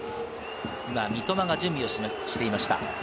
今、三笘が準備をしていました。